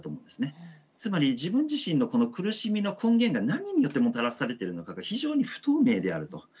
つまり自分自身のこの苦しみの根源が何によってもたらされてるのかが非常に不透明であると。